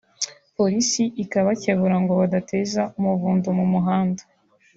Polisi ikabakebura ngo badateza umuvundo mu muhanda